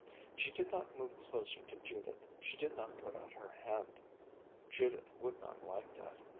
She did not move closer to Judith, she did not put out her hand. Judith would not like that.